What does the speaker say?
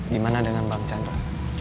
dimana dengan bang chandra